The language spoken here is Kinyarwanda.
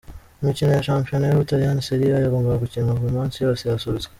Imikino ya shampiyona y’Ubutaliyani Serie A yagombaga gukinwa uyu munsi yose yasubitswe .